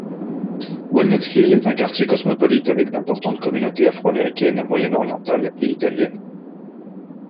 Walnut Hill est un quartier cosmopolite avec d'importantes communautés afro-américaine, moyenorientale et italienne.